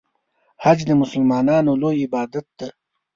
حج د مسلمانانو لوی عبادت دی.